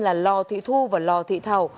là lò thị thu và lò thị thảo